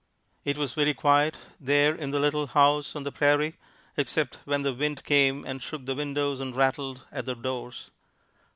It was very quiet there in the little house on the prairie, except when the wind came and shook the windows and rattled at the doors.